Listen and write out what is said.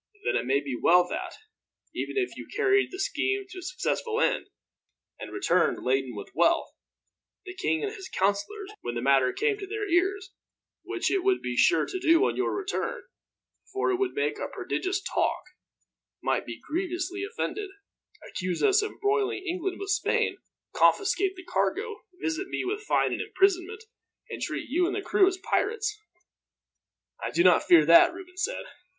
Then it may well be that, even if you carried the scheme to a successful end, and returned laden with wealth, the king and his counselors, when the matter came to their ears which it would be sure to do on your return, for it would make a prodigious talk might be grievously offended, accuse us of embroiling England with Spain, confiscate the cargo, visit me with fine and imprisonment, and treat you and the crew as pirates." "I do not fear that," Reuben said.